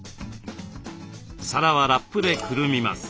皿はラップでくるみます。